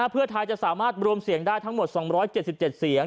เพื่อไทยจะสามารถรวมเสียงได้ทั้งหมด๒๗๗เสียง